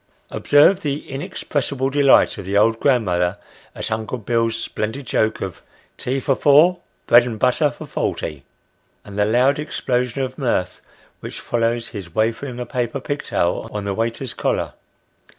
Observe the inexpressible delight of the old grandmother, at Uncle Bill's splendid joke of " tea for four : bread and butter for forty ;" and the loud explosion of mirth which follows his wafering a paper " pigtail " on the waiter's collar.